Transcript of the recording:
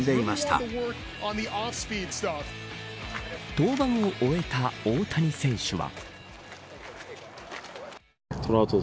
登板を終えた大谷選手は。